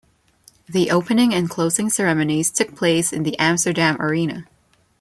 The opening and closing ceremonies took place in the Amsterdam Arena.